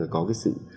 có cái sự